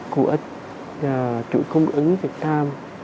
cụ ích chủ công ứng việt nam